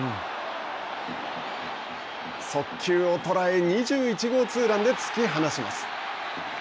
速球を捉え２１号ツーランで突き放します。